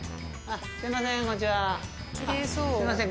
すいません！